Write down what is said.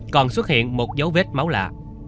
còn xuất hiện một dấu vết máu lạ